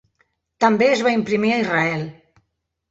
També es va imprimir a Israel.